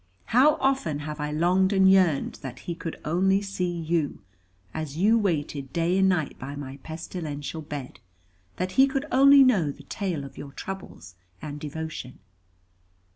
How often have I longed and yearned that he could only see you, as you waited day and night by my pestilential bed, that he could only know the tale of your troubles and devotion.